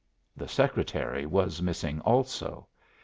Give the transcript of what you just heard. The secretary was missing also.